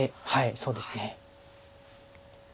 そうですね。